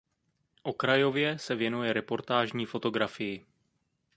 Okrajově se věnuje reportážní fotografii.